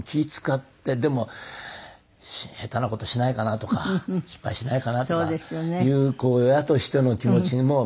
でも下手な事をしないかなとか失敗しないかなとかいう親としての気持ちも。